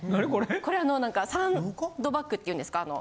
これあのサンドバッグっていうんですか。